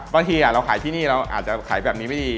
บางทีเราขายที่นี่เราอาจจะขายแบบนี้ไม่ดี